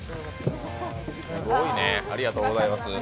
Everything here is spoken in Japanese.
すごいね、ありがとうございます。